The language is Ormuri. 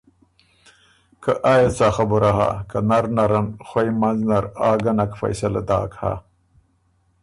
که آ يې څا خبُره هۀ که نر نرن خوئ منځ نر آ ګۀ نک فیصلۀ داک هۀ